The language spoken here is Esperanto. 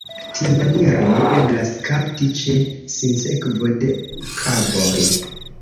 Tiamaniere eblas kapti ĉe sinsekvo de kavoj.